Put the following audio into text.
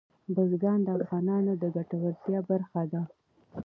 بزګان د افغانانو د ګټورتیا برخه ده.